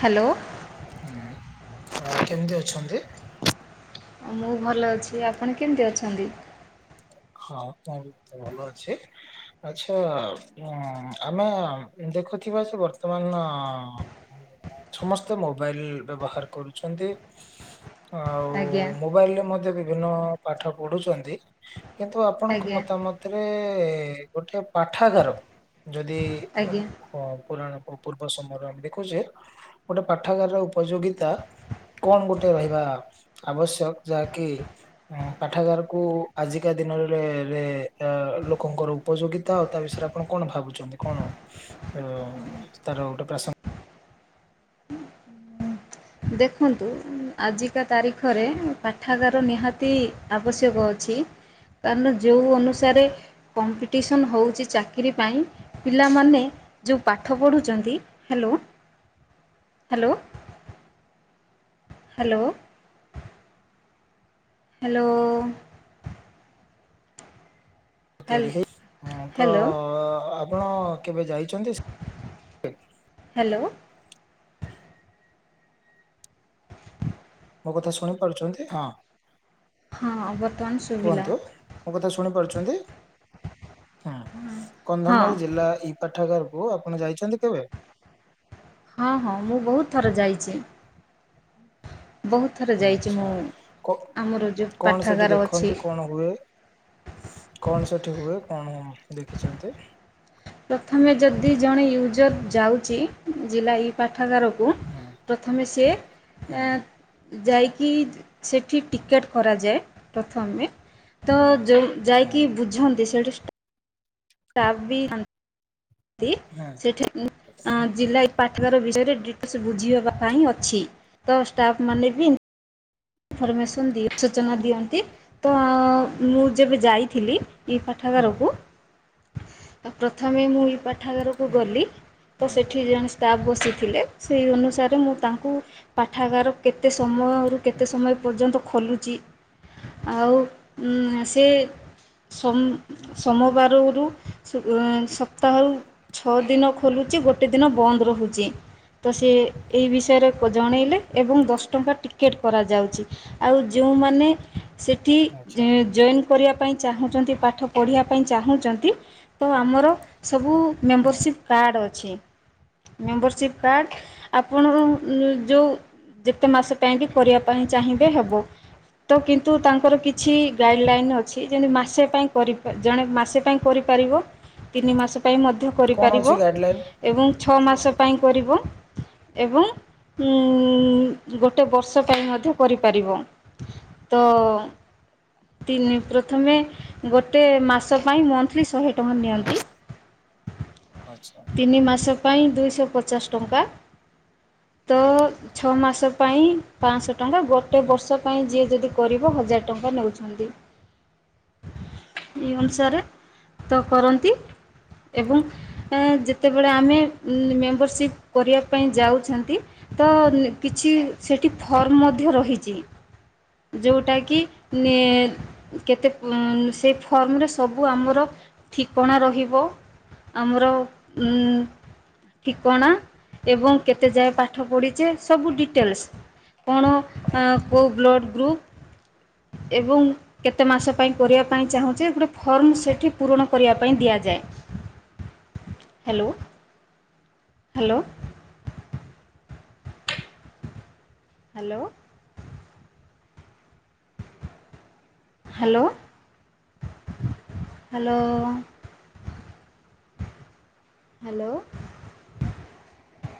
Hello. ହୁଁ [inaudible] କେମିତି ଅଛନ୍ତି? ମୁଁ ଭଲ ଅଛି ଆପଣ କେମିତି ଅଛନ୍ତି? ହଁ [inaudible] ଭଲ ଅଛି। ଆଛା ଉଁ ଆମେ ଦେଖୁଥିବା ସେ ବର୍ତ୍ତମାନ ସମସ୍ତେ ମୋବାଇଲ ବ୍ୟବହାର କରୁଛନ୍ତି ଆଉ ଆଜ୍ଞା। ମୋବାଇଲରେ ମଧ୍ୟ ବିଭିନ୍ନ ପାଠ ପଢୁଛନ୍ତି କିନ୍ତୁ ଆପଣଙ୍କ ଆଜ୍ଞା ମତାମତ ତେବେ ଗୋଟେ ପାଠାଗାର ଯଦି ଆଜ୍ଞା ହଁ ପୁରାଣ ପୁ ପୂର୍ବ ସମୟରେ ଆମେ ଦେଖୁଛେ ଗୋଟେ ପାଠାଗାରର ଉପଯୋଗିତା କଣ ଗୋଟେ ରହିବା ଆବଶ୍ୟକ ଯାହାକି ଆଁ ପାଠାଗାରକୁ ଆଜି ଜିକା ଦିନରେ ଅ ଲୋକଙ୍କର ଉପଯୋଗିତା ଆଉ ତା ବିଷୟରେ ଆପଣ କଣ ଭାବୁଛନ୍ତି କଣ? ଅ ତାର ଗୋଟେ ପ୍ରାସଙ୍ଗ ଦେଖନ୍ତୁ ଆଜିକା ତାରିଖରେ ପାଠାଗାର ନିହାତି ଆବଶ୍ୟକ ଅଛି। କାରଣ ଯେଉଁ ଅନୁସାରେ କମ୍ପିଟିସନ ହଉଛି ଚାକିରି ପାଇଁ ପିଲାମାନେ ଯେଉଁ ପାଠ ପଢ଼ୁଛନ୍ତି hello hello hello hello hello ତିଆରି ହେଇ ଉଁ ତ ହ୍ୟାଲୋ ଆପଣ କେବେ ଯାଇଛନ୍ତି ସେ? ହ୍ୟାଲୋ। ମୋ କଥା ଶୁଣି ପାରୁଛନ୍ତି? ହଁ। ହଁ ବର୍ତ୍ତମାନ ଶୁଭିଲା। କୁହନ୍ତୁ ମୋ କଥା ଶୁଣି ପାରୁଛନ୍ତି? ହୁଁ ହଁ ହଁ କନ୍ଧମାଳ ଜିଲ୍ଲା ଇ ପାଠାଗାରକୁ ଆପଣ ଯାଇଛନ୍ତି କେବେ? ହଁ ହଁ ମୁଁ ବହୁତ ଥର ଯାଇଛି। ବହୁତ ଥର ଯାଇଛି ଆଚ୍ଛା ମୁଁ କ ଆମର ଯେଉଁ କଣ ସେଠି ପାଠାଗାର ଅଛି ଦେଖନ୍ତି କଣ ହୁଏ କଣ ସେଠି ହୁଏ କଣ ଦେଖିଛନ୍ତି? ପ୍ରଥମେ ଯଦି ଜଣେ ୟୁଜର୍ ଯାଉଛି ଜିଲ୍ଲାଇ ପାଠାଗାରକୁ ହୁଁ ପ୍ରଥମେ ସିଏ ହୁଁ ଏ ଯାଇକି ସେଠି ଟିକେଟ୍ କରାଯାଏ ପ୍ରଥମେ ତ ହୁଁ ଯୋଉ ହଁ ଯାଇକି ବୁଝନ୍ତି ସେଠି ଷ୍ଟାଫ୍ ବି ଥାଆ ଇ ହଁ ସେଠି ଆଁ ଜିଲ୍ଲା ଏଇ ପାଠାଗାର ବିଷୟରେ ଡିଟେଲସ ବୁଝିବା ହେବା ପାଇଁ ଅଛି ତ ଷ୍ଟାଫ୍ ମାନେ ବି ଇନଫର୍ମେସନ୍ ଦିଅ ସୂଚନା ଦିଅନ୍ତି ତ ମୁଁ ଯେବେ ଯାଇଥିଲି ଏଇ ହଁ ପାଠାଗାରକୁ ପ୍ରଥମେ ମୁଁ ଏଇ ପାଠାଗାରକୁ ଗଲି। ତ ସେଠି ଜଣେ ଷ୍ଟାଫ୍ ବସିଥିଲେ ସେହି ଅନୁସାରେ ମୁଁ ତାଙ୍କୁ ପାଠାଗାର କେତେ ସମୟରୁ କେତେ ସମୟ ପର୍ଯ୍ୟନ୍ତ ଖୋଲୁଛି? ଆଉ ସିଏ ସୋମ ସୋମବାରରୁ ସପ୍ତାହକୁ ଛଅ ଦିନ ଖୋଲୁଛି ଗୋଟେ ଦିନ ବନ୍ଦ ରହୁଛି। ତ ସିଏ ଏହି ବିଷୟରେ ଜଣେଇଲେ ଏବଂ ଦଶ ଟଙ୍କା ଟିକେଟ୍ କରାଯାଉଛି ଆଉ ଯୋଉମାନେ ସେଠି ଆଚ୍ଛା ଜଏନ୍ କରିବା ପାଇଁ ଚାହୁଁଛନ୍ତି ପାଠ ପଢ଼ିବା ପାଇଁ ଚାହୁଁଛନ୍ତି ତ ଆମର ସବୁ ହଁ ମେମ୍ବରସିପ୍ କାର୍ଡ଼ ଅଛି। ମେମ୍ବରସିପ୍ କାର୍ଡ଼ ଆପଣଙ୍କର ଯୋଉ ଯେତେ ମାସ ପାଇଁକି କରିବା ପାଇଁ ଚାହିଁବେ ହେବ। ତ କିନ୍ତୁ ତାଙ୍କର କିଛି ଗାଇଡ଼ଲାଇନ୍ ଅଛି ଯେମିତି ମାସେ ପାଇଁ କରି ଜଣେ ମାସେ ପାଇଁ କରିପାରିବ ତିନି ହଁ ମାସ ପାଇଁ ମଧ୍ୟ କଣ କରିପାରିବ। ଅଛି ଗାଇଡଲାଇନ ଏବଂ ଛଅ ମାସ ପାଇଁ କରିବ ଏବଂ ଉଁ ଗୋଟେ ବର୍ଷ ମଧ୍ୟ କରିପାରିବ ତ ତିନି ପ୍ରଥମେ ଗୋଟେ ମାସ ପାଇଁ ମନ୍ଥଲି ଶହେ ଟଙ୍କା ହଁ ନିଅନ୍ତି। ଆଚ୍ଛା। ତିନି ମାସ ପାଇଁ ଦୁଇଶହ ପଚାଶ ଟଙ୍କା। ତ ଛଅ ମାସ ପାଇଁ ପାଞ୍ଚଶହ ଟଙ୍କା ଗୋଟେ ବର୍ଷ ପାଇଁ ଯିଏ ଯଦି କରିବ ହଁ। ହଜାର ଟଙ୍କା ନଉଛନ୍ତି। ସେଇ ଅନୁସାରେ ତ କରନ୍ତି ଏବଂ ଯେତେବେଳେ ଆମେ ମେମ୍ବରସିପ୍ କରିବା ପାଇଁ ଯାଉଛନ୍ତି। ତ କିଛି ସେଠି ଫର୍ମ ମଧ୍ୟ ରହିଛି। ଯୋଉଟାକି ନିଏ କେତେ ସେଇ ଫର୍ମରେ ସବୁ ଆମର ଠିକଣା ରହିବ। ଆମର ଉଁ ଠିକଣା ଏବଂ କେତେ ଯାଏ ପାଠ ପଢ଼ିଚେ ସବୁ ଡିଟେଲ୍ସ୍। କଣ କୋଉ ବ୍ଲଡ଼୍ ଗ୍ରୁପ ଏବଂ କେତେ ମାସ ପାଇଁ କରିବା ପାଇଁ ଚାହୁଁଚି। ଗୋଟେ ଫର୍ମ ସେଠି ପୂରଣ କରିବା ପାଇଁ ଦିଆଯାଏ। Hello hello. Hello. Hello hello. Hello.